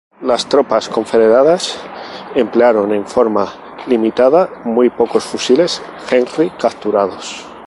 Las tropas confederadas emplearon en forma limitada muy pocos fusiles Henry capturados.